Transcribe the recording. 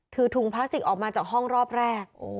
ถือถุงพลาสติกออกมาจากห้องรอบแรก